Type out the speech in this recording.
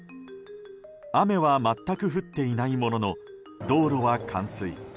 雨は全く降っていないものの道路は冠水。